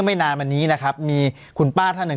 ไม่นานมานี้นะครับมีคุณป้าท่านหนึ่ง